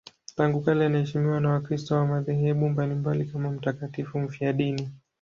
Tangu kale anaheshimiwa na Wakristo wa madhehebu mbalimbali kama mtakatifu mfiadini.